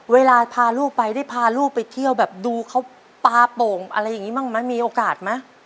เวลาพาลูกไปได้พาลูกไปเที่ยวแบบดูเขาปลาโป่งอะไรอย่างนี้บ้างไหมมีโอกาสไหม